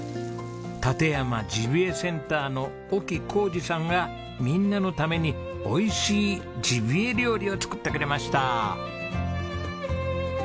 館山ジビエセンターの沖浩志さんがみんなのためにおいしいジビエ料理を作ってくれました。